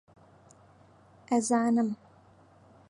ئەزانم